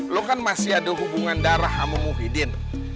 lo kan masih ada hubungan darah sama muhyiddin